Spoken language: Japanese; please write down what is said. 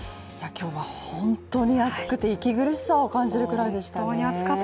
今日は本当に暑くて、息苦しさを感じるぐらいでしたね。